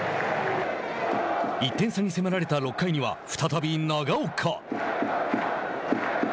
１点差に迫られた６回には再び長岡。